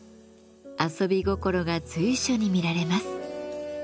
遊び心が随所に見られます。